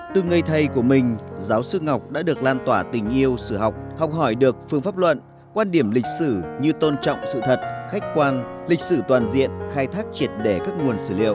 từ người thầy của mình giáo sư ngọc đã được lan tỏa tình yêu sử học học hỏi được phương pháp luận quan điểm lịch sử như tôn trọng sự thật khách quan lịch sử toàn diện khai thác triệt đẻ các nguồn sử liệu